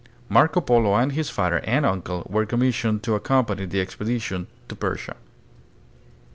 Marco Polo and his father and uncle were commissioned to accompany the expedition to Persia.